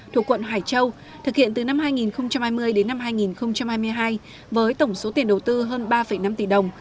thuộc quận hải châu thực hiện từ năm hai nghìn hai mươi đến năm hai nghìn hai mươi hai với tổng số tiền đầu tư hơn ba năm tỷ đồng